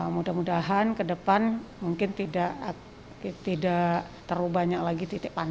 mudah mudahan ke depan mungkin tidak terlalu banyak lagi